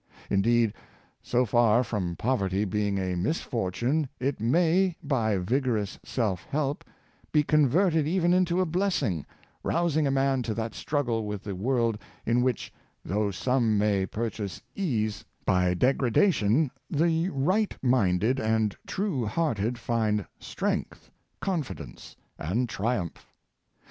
Indeed, so far from poverty being a mis fortune, it may, by vigorous self help, be converted even into a blessing, rousing a man to that struggle with the world in which, though some may purchase ease by degradation, the right minded and true hearted find strength, confidence, and triumph.